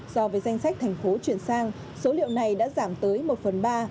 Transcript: so với danh sách tp hcm số liệu này đã giảm tới một phần ba